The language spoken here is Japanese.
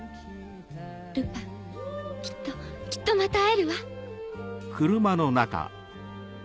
ルパンきっときっとまた会えるわ。